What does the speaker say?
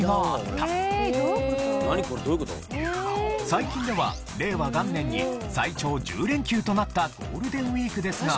最近では令和元年に最長１０連休となったゴールデンウィークですが。